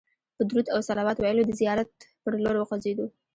په درود او صلوات ویلو د زیارت پر لور وخوځېدو.